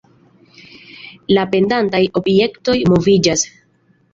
La pendantaj objektoj moviĝas.